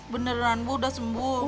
beneran bu udah sembuh